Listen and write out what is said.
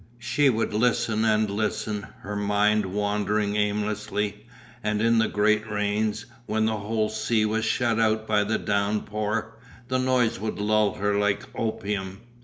She would listen and listen, her mind wandering aimlessly, and in the great rains, when the whole sea was shut out by the downpour, the noise would lull her like opium.